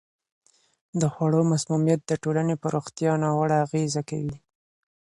د خوړو مسمومیت د ټولنې په روغتیا ناوړه اغېزه کوي.